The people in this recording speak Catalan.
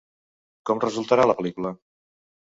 Com resultarà la pel·lícula?